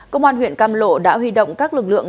công an huyện cam lộ đã huy động các lực lượng